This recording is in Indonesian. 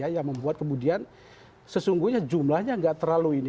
yang membuat kemudian sesungguhnya jumlahnya nggak terlalu ini